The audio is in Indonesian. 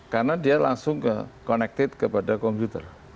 karena dia langsung connected kepada komputer